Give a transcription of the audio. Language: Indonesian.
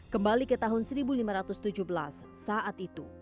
kembali ke tahun seribu lima ratus tujuh belas saat itu